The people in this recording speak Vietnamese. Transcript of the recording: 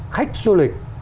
khách du lịch